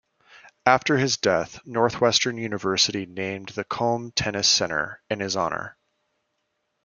After his death, Northwestern University named the Combe Tennis Center in his honor.